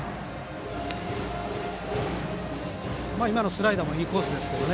今のスライダーもいいコースですからね。